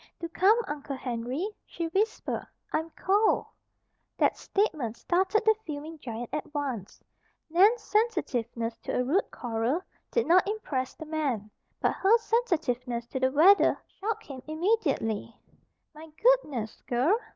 "Do come, Uncle Henry," she whispered. "I'm cold." That statement started the fuming giant at once. Nan's sensitiveness to a rude quarrel did not impress the man; but her sensitiveness to the weather shocked him immediately. "My goodness, girl!